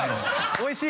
おいしい？